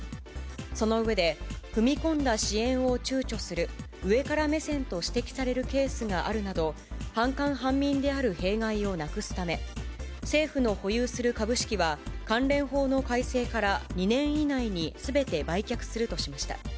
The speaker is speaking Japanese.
その上で踏み込んだ支援をちゅうちょする、上から目線と指摘されるケースがあるなど、半官半民である弊害をなくすため、政府の保有する株式は関連法の改正から２年以内にすべて売却するとしました。